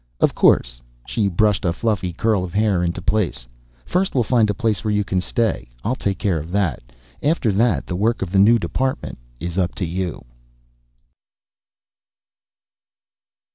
"Of course." She brushed a fluffy curl of hair into place. "First we'll find a place where you can stay. I'll take care of that. After that the work of the new department is up to you."